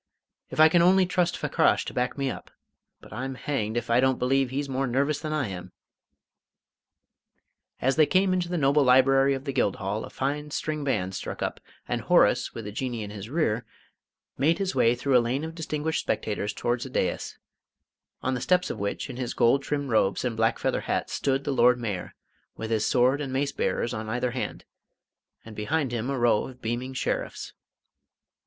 If I can only trust Fakrash to back me up but I'm hanged if I don't believe he's more nervous than I am!" As they came into the noble Library of the Guildhall a fine string band struck up, and Horace, with the Jinnee in his rear, made his way through a lane of distinguished spectators towards a dais, on the steps of which, in his gold trimmed robes and black feather hat, stood the Lord Mayor, with his sword and mace bearers on either hand, and behind him a row of beaming sheriffs.